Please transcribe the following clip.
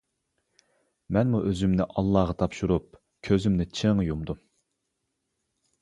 مەنمۇ ئۆزۈمنى ئاللاغا تاپشۇرۇپ كۆزۈمنى چىڭ يۇمدۇم.